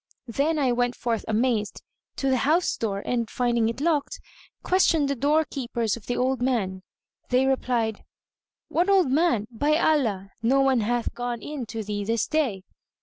Then I went forth amazed, to the house door and, finding it locked, questioned the doorkeepers of the old man. They replied, "What old man? By Allah, no one hath gone in to thee this day!"